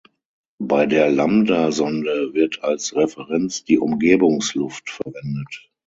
Bei der Lambdasonde wird als Referenz die Umgebungsluft verwendet.